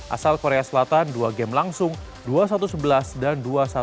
asal korea selatan dua game langsung dua satu sebelas dan dua satu dua belas